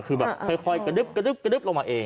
คือแบบค่อยกระดึ๊บกระดึ๊บลงมาเอง